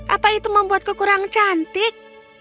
apa itu membuatku kurang cantik